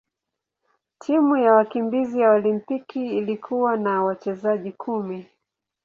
Timu ya wakimbizi ya Olimpiki ilikuwa na wachezaji kumi.